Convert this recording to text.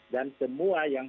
dan semua yang